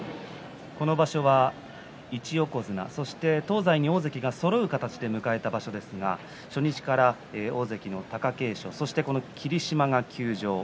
この場所は１横綱そして東西に大関がそろう形で迎えた場所ですが初日から大関の貴景勝そして霧島が休場。